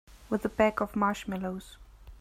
With a bag of marshmallows.